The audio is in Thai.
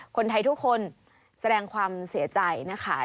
คนไทยทุกคนแสดงความเสียใจนะคะ